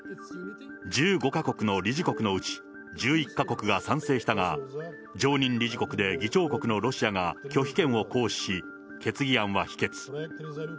１５か国の理事国のうち１１か国が賛成したが、常任理事国で議長国のロシアが拒否権を行使し、決議案は否決。